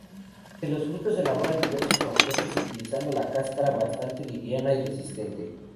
De los frutos se elaboran diversos objetos utilizando la cáscara bastante liviana y resistente.